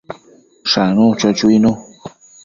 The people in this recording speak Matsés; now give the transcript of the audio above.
Shanu, cho chuinu